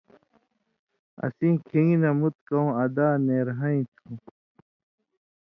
اسیں کِھن٘گی نہ مُت کؤں ادا نېرہَیں تُھو۔